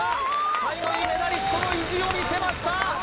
最後にメダリストの意地を見せました